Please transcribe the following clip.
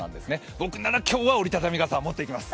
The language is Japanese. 僕なら今日は折り畳み傘、持っていきます。